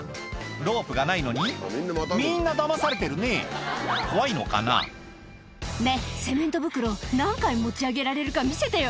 ロープがないのにみんなダマされてるね怖いのかな「ねぇセメント袋何回持ち上げられるか見せてよ」